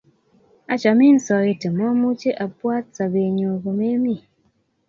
achomin soiti momuche abwat sobenyun komemii